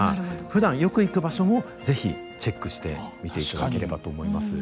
ふだんよく行く場所も是非チェックして見ていただければと思います。